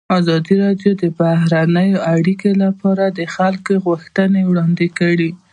ازادي راډیو د بهرنۍ اړیکې لپاره د خلکو غوښتنې وړاندې کړي.